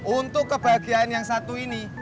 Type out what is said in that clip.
untuk kebahagiaan yang satu ini